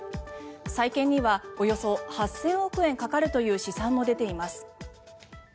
再建にはおよそ８０００億円かかるという試算も出ています。